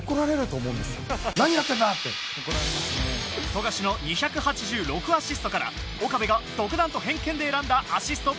富樫の２８６アシストから岡部が独断と偏見で選んだアシスト